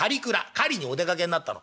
狩りにお出かけになったの。